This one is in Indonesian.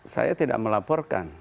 saya tidak melaporkan